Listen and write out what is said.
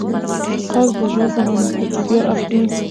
قرض د ژوند ارامتیا اخلي.